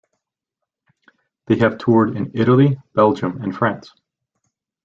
They have toured in Italy, Belgium and France.